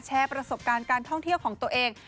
แชร์ประสบการณ์การท่องเที่ยวของตัวเอง